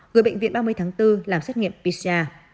gửi bệnh viện ba mươi tháng bốn làm xét nghiệm pcr